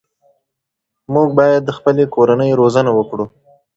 موږ باید د خپلې کورنۍ روزنه وکړو.